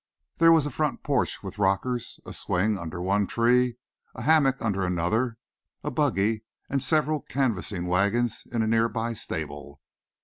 There was a front porch with rockers, a swing under one tree, a hammock under another, a buggy and several canvassing wagons in a nearby stable.